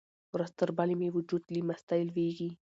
ورځ تر بلې مې وجود له مستۍ لویږي.